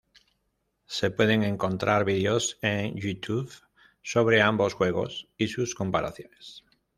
Se pueden encontrar vídeos en Youtube sobre ambos juegos y sus comparaciones.